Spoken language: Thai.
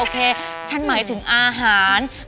ฉันหมายถึงอาหาร